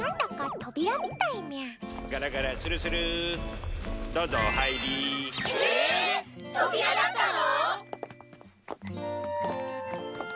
とびらだったの！？